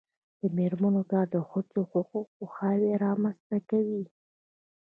د میرمنو کار د ښځو حقونو پوهاوی رامنځته کوي.